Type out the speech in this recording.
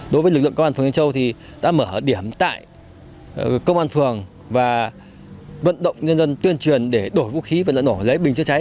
đối với lực lượng công an tp ta mở điểm tại công an tp và vận động nhân dân tuyên truyền để đổi vũ khí và lấy bình chữa cháy